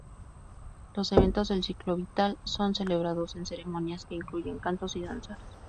Los eventos del ciclo vital son celebrados en ceremonias que incluyen cantos y danzas.